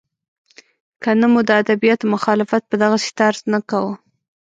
که نه مو د ادبیاتو مخالفت په دغسې طرز نه کاوه.